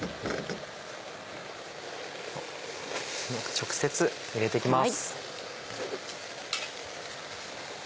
直接入れて行きます。